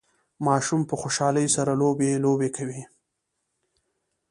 ماشوم په خوشحالۍ سره لوبي لوبې کوي